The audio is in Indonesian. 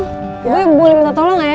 ibu boleh minta tolong gak ya